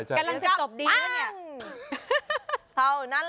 อันนั้นคือห้ัง